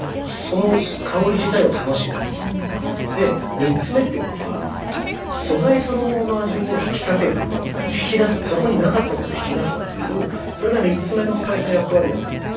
で３つ目っていうのが素材そのものの味を引き立てるっていう引き出すそこになかったものを引き出すっていうそれが３つ目のスパイスの役割だと思っていて。